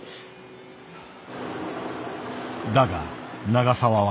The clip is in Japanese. だが永澤は。